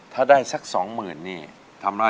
ใช้ดอกขอค่าโส